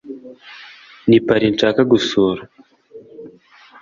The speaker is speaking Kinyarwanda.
Ni Paris nshaka gusura